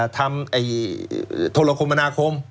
ทำโทรคมมนาคม